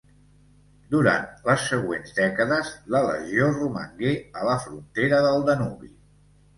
Durant les següents dècades la legió romangué a la frontera del Danubi.